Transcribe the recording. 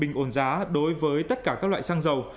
bình ổn giá đối với tất cả các loại xăng dầu